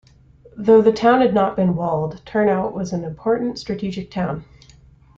Though the town had not been walled, Turnhout was an important strategic town.